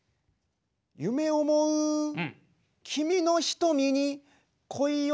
夢思う君の瞳に恋をした。